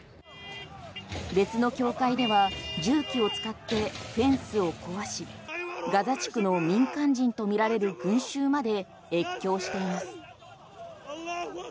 別の境界では重機を使ってフェンスを壊しガザ地区の民間人とみられる群衆まで越境しています。